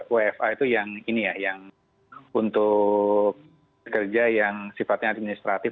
wfa itu yang ini ya yang untuk kerja yang sifatnya administratif